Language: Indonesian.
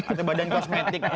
atau badan kosmetiknya gitu